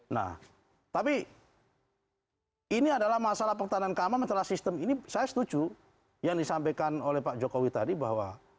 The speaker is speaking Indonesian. nah tapi ini adalah masalah pertahanan keamanan masalah sistem ini saya setuju yang disampaikan oleh pak jokowi tadi bahwa